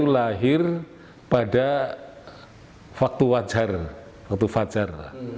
lahir pada waktu wajar waktu fajar